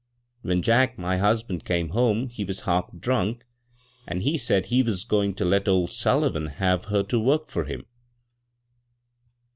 When Jack, my husband, came home, he was half drunk, an' he s£ud he was goin' to let old SuUivan have her to work for him."